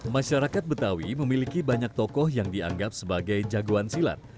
masyarakat betawi memiliki banyak tokoh yang dianggap sebagai jagoan silat